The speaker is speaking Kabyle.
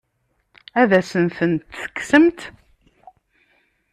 Ad asen-tent-tekksemt?